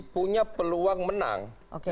punya peluang menang